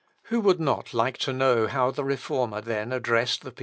Who would not like to know how the Reformer then addressed the people?